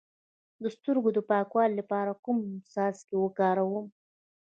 د سترګو د پاکوالي لپاره کوم څاڅکي وکاروم؟